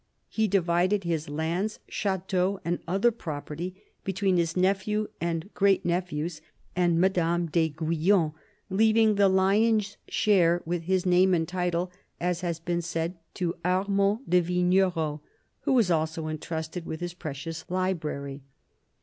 He divided his lands, chateaux, and other property between his nephew and great nephews and Madame d'Aiguillon, leaving the lion's share with his name and title, as has been said, to Armand de Vignerot, who was also entrusted with his precious library.